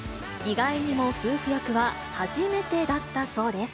意外にも夫婦役は初めてだったそうです。